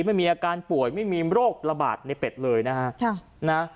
ไม่มีอาการป่วยไม่มีโรคระบาดในเป็ดเลยนะฮะ